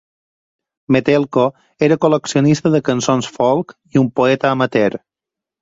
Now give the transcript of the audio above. Metelko era col·leccionista de cançons folk i un poeta amateur.